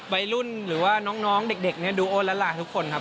วัยรุ่นหรือว่าน้องเด็กเนี่ยดูโอละลาทุกคนครับ